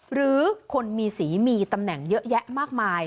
หรือคนมีสีมีตำแหน่งเยอะแยะมากมาย